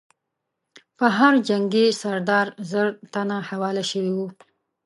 پر هر جنګي سردار زر تنه حواله شوي وو.